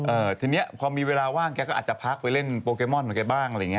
เออทีนี้พอมีเวลาว่างแกก็อาจจะพักไว้เล่นโปรแกมอนบ้างอะไรอย่างนี้